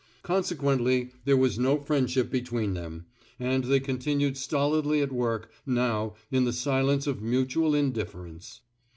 Conse quently there was no friendship between them; and they continued stolidly at work, now, in the silence of mutual indifference.